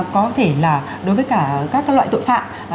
có thể là đối với các loại tội phạm